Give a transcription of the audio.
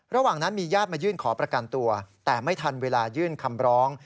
ระหว่างนั้นมีญาติมายื่นขอประกันตัวแต่ไม่ทันเวลายื่นคำร้อง